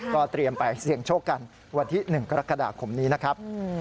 ก็เตรียมไปเสี่ยงโชคกันวันที่๑กรกฎาคมนี้นะครับ